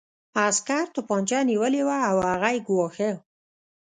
عسکر توپانچه نیولې وه او هغه یې ګواښه